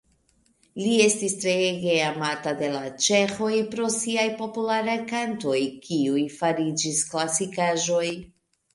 Li estis treege amata de la ĉeĥoj pro siaj popularaj kantoj, kiuj fariĝis klasikaĵoj.